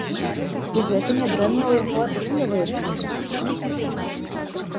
І гэта нядрэнна ў яго атрымліваецца.